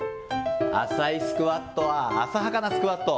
浅いスクワットは、浅はかなスクワット。